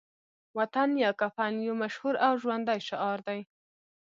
وطن یا کفن يو مشهور او ژوندی شعار دی